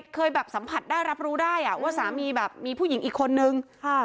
เคยสัมผัสได้รับรู้ได้ว่าสามีมีผู้หญิงอีกคนนึง